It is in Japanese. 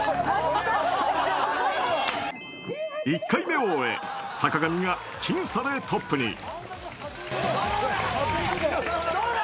１回目を終え坂上が僅差でトップに。